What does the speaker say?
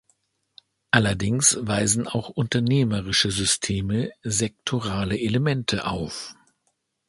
Allerdings weisen auch unternehmerische Systeme sektorale Elemente auf.